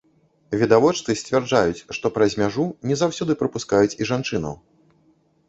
Відавочцы сцвярджаюць, што праз мяжу не заўсёды прапускаюць і жанчынаў.